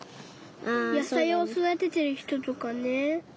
野さいをそだててるひととかね。